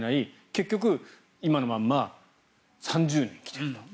結局、今のまま３０年来ていると。